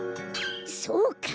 そうか！